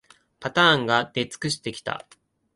パターンが出尽くしてきた